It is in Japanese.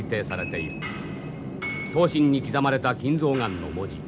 刀身に刻まれた金象眼の文字。